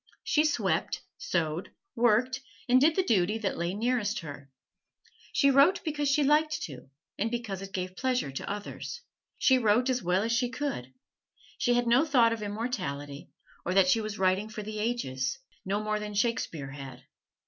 She swept, sewed, worked, and did the duty that lay nearest her. She wrote because she liked to, and because it gave pleasure to others. She wrote as well as she could. She had no thought of immortality, or that she was writing for the ages no more than Shakespeare had.